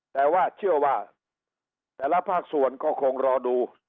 แต่ว่าเชื่อว่าแต่ละภาคส่วนก็คงรอดู